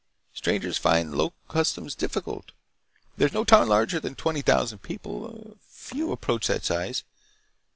Strangers find the local customs difficult. There is no town larger than twenty thousand people, and few approach that size.